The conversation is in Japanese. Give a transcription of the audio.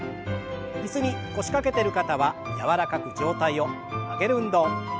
椅子に腰掛けてる方は柔らかく上体を曲げる運動。